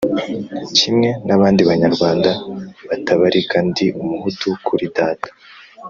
Kimwe n'abandi banyarwanda batabarika, ndi Umuhutu kuri Data